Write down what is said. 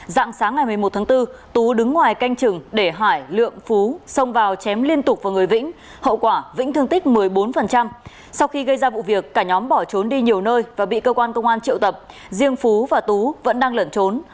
dạng sáng ngày một mươi một tháng bốn tú đứng ngoài canh chừng để hải lượng phú xông vào chém liên tục vào người vĩnh hậu quả vĩnh thương tích một mươi bốn sau khi gây ra vụ việc cả nhóm bỏ trốn đi nhiều nơi và bị cơ quan công an triệu tập riêng phú và tú vẫn đang lẩn trốn